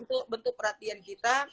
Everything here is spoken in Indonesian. empati untuk bentuk perhatian kita